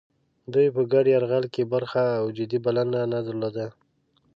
دوی په ګډ یرغل کې برخه او جدي بلنه نه درلوده.